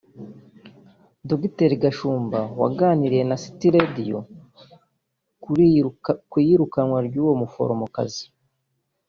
Dr Gashumba waganiriya na City Radio ku iyirukanwa ry’uwo muforomokazi